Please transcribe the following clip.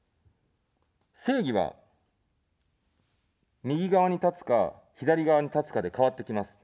正義は右側に立つか、左側に立つかで変わってきます。